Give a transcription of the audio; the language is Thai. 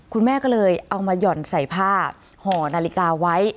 คุณแม่ก็เลยเอามาหย่อนใส่ผ้าห่อนาฬิกาไว้